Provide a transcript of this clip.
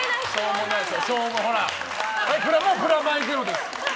もうプラマイゼロです。